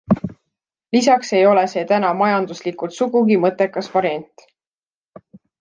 Lisaks ei ole see täna majanduslikult sugugi mõttekas variant.